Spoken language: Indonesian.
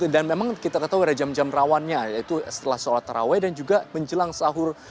dan memang kita ketahui ada jam jam rawannya yaitu setelah sholat taraweh dan juga menjelang sahur